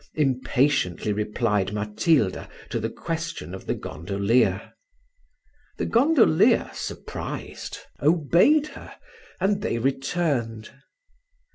impatiently replied Matilda to the question of the gondolier. The gondolier, surprised, obeyed her, and they returned.